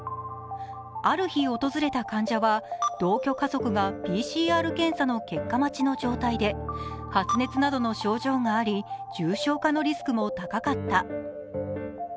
ある日、訪れた患者は同居家族がＰＣＲ検査の結果待ちの状態で発熱などの症状があり重症化のリスクも高かった。